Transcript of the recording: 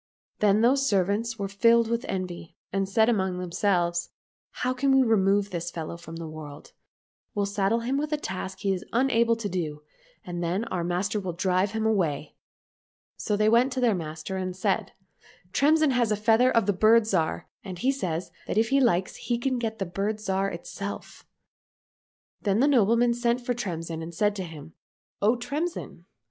Then those servants were filled with envy, and said among themselves, " How can we remove this fellow from the world ? We'll saddle him with a task he is unable to do, and then our master will drive him away." — So they went to their master and said, " Tremsin has a feather of the Bird Zhar, and he says that if he likes he can get the Bird Zhar itself." Then the nobleman sent for Tremsin and said to him, " O Tremsin